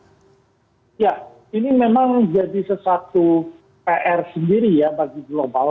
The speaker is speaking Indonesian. ya ini memang jadi sesuatu pr sendiri ya bagi global